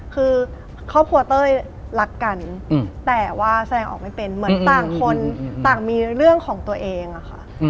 คือครอบครัวเต้ยรักกันแต่ว่าแสดงออกไม่เป็นเหมือนต่างคนต่างมีเรื่องของตัวเองอะค่ะ